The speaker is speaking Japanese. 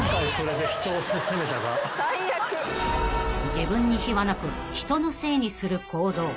［自分に非はなく人のせいにする行動］